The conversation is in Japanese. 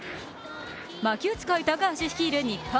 魔球使い・高橋率いる日本。